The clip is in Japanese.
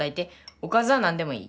おかずはなんでもいい。